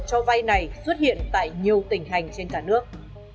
cho vay này xuất hiện tại nhiều tỉnh hành trên cả nước